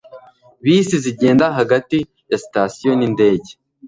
Bisi zigenda hagati ya sitasiyo nindege